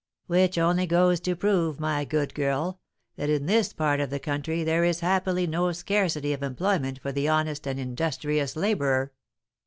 "Which only goes to prove, my good girl, that in this part of the country there is happily no scarcity of employment for the honest and industrious labourer."